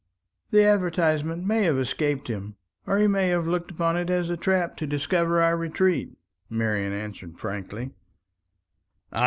"The advertisement may have escaped him, or he may have looked upon it as a trap to discover our retreat," Marian answered frankly.